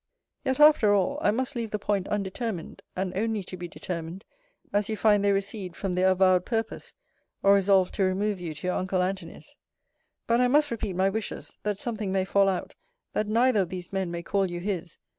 Yet, after all, I must leave the point undetermined, and only to be determined, as you find they recede from their avowed purpose, or resolve to remove you to your uncle Antony's. But I must repeat my wishes, that something may fall out, that neither of these men may call you his!